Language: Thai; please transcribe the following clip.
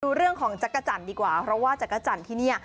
ดูเรื่องของจักรจันทร์ดีกว่าเพราะว่าจักรจันทร์ที่เนี่ย